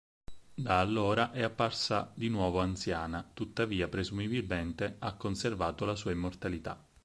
Da allora è apparsa di nuovo anziana, tuttavia presumibilmente ha conservato la sua immortalità.